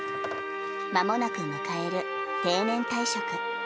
まもなく迎える定年退職。